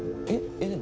えっ何？